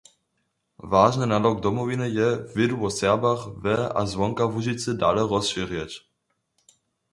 Wažny nadawk Domowiny je, wědu wo Serbach we a zwonka Łužicy dale rozšěrjeć.